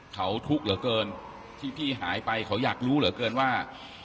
เขาทุกข์เหลือเกินที่พี่หายไปเขาอยากรู้เหลือเกินว่า